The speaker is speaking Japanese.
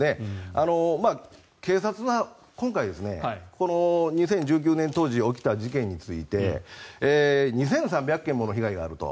警察は今回２０１９年当時起きた事件について２３００件もの被害があると。